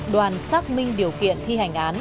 đoàn xác minh điều kiện thi hành án